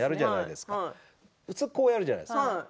普通、そうやるじゃないですか。